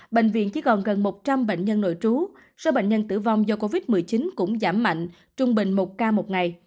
bệnh viện chỉ còn gần một trăm linh bệnh nhân nội trú số bệnh nhân tử vong do covid một mươi chín cũng giảm mạnh trung bình một ca một ngày